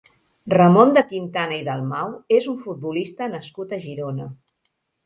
Ramon de Quintana i Dalmau és un futbolista nascut a Girona.